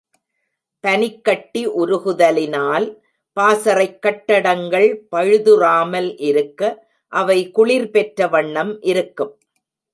பனிக்கட்டி உருகுதலினால் பாசறைக்கட்டடங்கள் பழுதுறாமல் இருக்க, அவை குளிர் பெற்ற வண்ணம் இருக்கும்.